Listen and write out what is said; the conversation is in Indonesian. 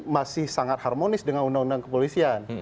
masih sangat harmonis dengan undang undang kepolisian